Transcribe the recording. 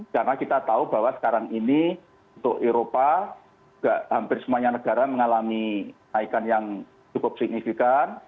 karena kita tahu bahwa sekarang ini untuk eropa hampir semuanya negara mengalami naikan yang cukup signifikan